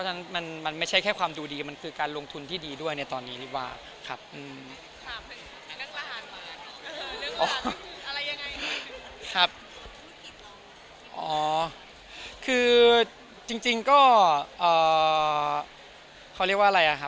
เขาเรียกว่าอะไรอะไรหรือคะ